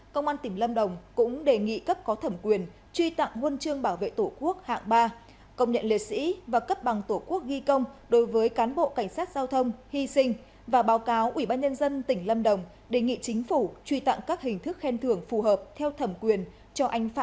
công an tỉnh lâm đồng cũng đề nghị cấp có thẩm quyền truy tặng nguồn trương bảo vệ tổ quốc hạng ba công nhận liệt sĩ và cấp bằng tổ quốc ghi công đối với cán bộ cảnh sát giao thông hy sinh và báo cáo ủy ban nhân dân tỉnh lâm đồng đề nghị chính phủ truy tặng các hình thức khen thường phù hợp theo thẩm quyền cho anh phạm